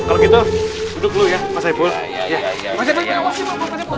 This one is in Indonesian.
kalau gitu duduk dulu ya pak saipul